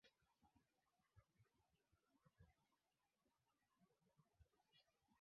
viwango mbalimbali vya kujitawala Kwa kawaida maeneo haya